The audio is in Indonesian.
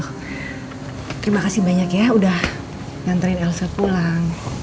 terima kasih banyak ya udah nyanterin elsa pulang